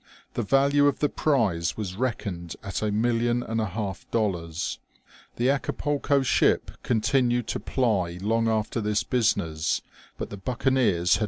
The value of the prize was reckoned at a million and a half of dollars. The Acapulco ship continued to ply long after this business, but the buccaneers had OLD SHIPS.